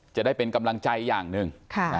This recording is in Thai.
จะได้เป็นกำลังใจอย่างหนึ่ง